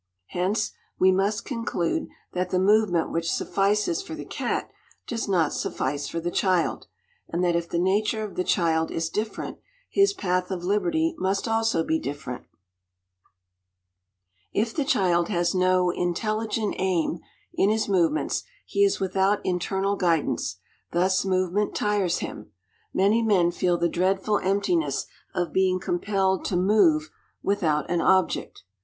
Hence we must conclude that the movement which suffices for the cat does not suffice for the child, and that if the nature of the child is different, his path of liberty must also be different. If the child has no "intelligent aim" in his movements, he is without internal guidance, thus movement tires him. Many men feel the dreadful emptiness of being compelled to "move without an object."